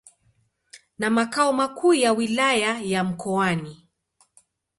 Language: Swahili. na makao makuu ya Wilaya ya Mkoani.